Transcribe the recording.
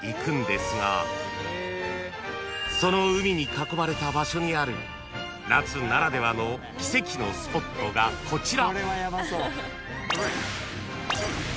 ［その海に囲まれた場所にある夏ならではの奇跡のスポットがこちら］